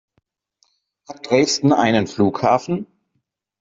Hat Dresden einen Flughafen?